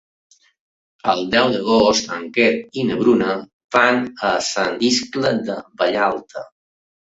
El deu d'agost en Quer i na Bruna van a Sant Iscle de Vallalta.